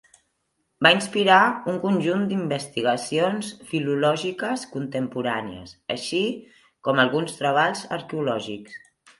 Va inspirar un conjunt d'investigacions filològiques contemporànies, així com alguns treballs arqueològics.